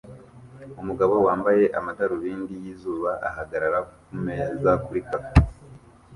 Umugabo wambaye amadarubindi yizuba ahagarara kumeza kuri cafe